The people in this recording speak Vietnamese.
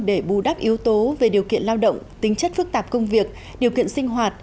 để bù đắp yếu tố về điều kiện lao động tính chất phức tạp công việc điều kiện sinh hoạt